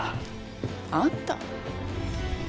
「あんた」？